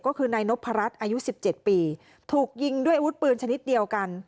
ก็คือนายนพรัชอายุ๑๗ปีถูกยิงด้วยอาวุธปืนชนิดเดียวกัน